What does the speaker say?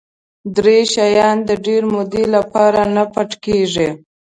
درې شیان د ډېرې مودې لپاره نه پټ کېږي.